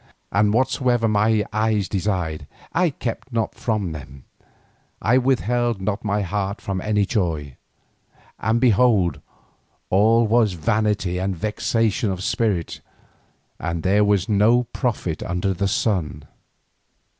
And whatsoever my eyes desired I kept not from them, I withheld not my heart from any joy. And behold, all was vanity and vexation of spirit, and there was no profit under the sun."